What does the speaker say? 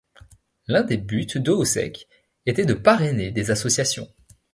L'un des buts d'HooSeek était de parrainer des associations.